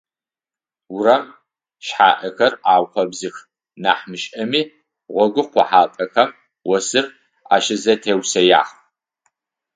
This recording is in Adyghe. Урам шъхьаӀэхэр аукъэбзых нахь мышӀэми, гъогу къохьапӀэхэм осыр ащызэтеусэягъ.